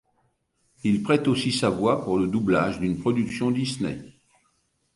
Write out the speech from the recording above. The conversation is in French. Il prête aussi sa voix pour le doublage d’une production Disney.